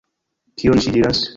Kion ŝi diras?